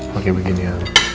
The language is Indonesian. pake begini ya